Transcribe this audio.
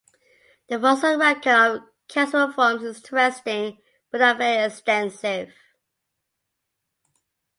The fossil record of casuariforms is interesting, but not very extensive.